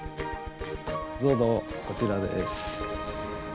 どうぞこちらです。